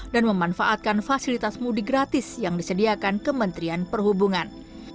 dan memanfaatkan fasilitas mudik gratis yang disediakan kementerian perhubungan